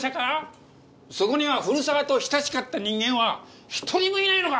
そこには古沢と親しかった人間は１人もいないのか？